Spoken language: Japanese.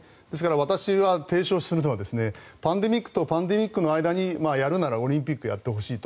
私が提唱するのはパンデミックとパンデミックの間に、やるならオリンピックをやってほしいと。